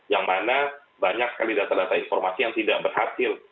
yang mana banyak sekali data data informasi yang tidak berhasil